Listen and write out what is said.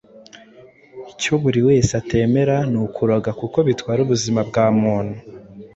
cyo buri wese atemera ni ukuroga kuko bitwara ubuzima bwa muntu.